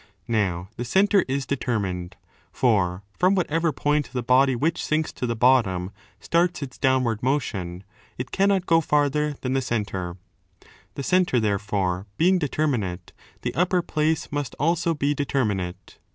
Now the centre is determined; for, from whatever point the body which sinks to the bottom starts its down ward motion, it cannot go farther than the centre. The centre, therefore, being determinate, the upper place must also be determinate.